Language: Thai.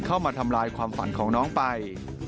เข้ามาทำลายความฝันของน้องไป